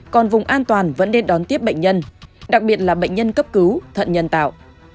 còn vùng an toàn vẫn nên đón tiếp bệnh nhân đặc biệt là bệnh nhân cấp cứu thận nhân tạo